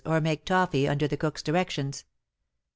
23 or making toffy under the cook^s directions.